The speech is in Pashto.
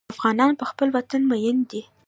افغانان په خپل وطن مین دي.